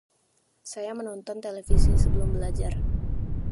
Saya menonton televisi sebelum belajar.